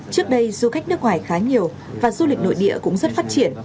trước đây du khách nước ngoài khá nhiều và du lịch nội địa cũng rất phát triển